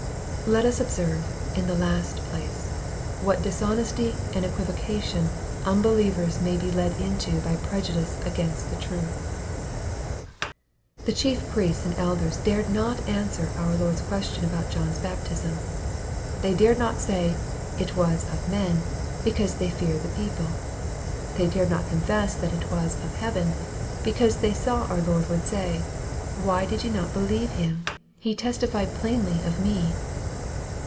Let us observe, in the last place, what dishonesty and equivocation unbelievers may be led into by prejudice against the truth. The chief priests and elders dared not answer our Lord's question about John's Baptism. They dared not say, it was " of men," because they feared the people. They dared not confess that it was " of heaven," because they saw our Lord would say, " Why did ye not believe him ? He testified plainly of me."